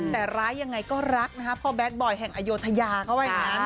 แต่ร้ายยังไงก็รักนะครับเพราะแบดบ่อยแห่งอโยธยาเข้าไป